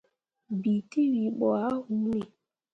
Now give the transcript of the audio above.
Bii tewii ɓo ah hunni.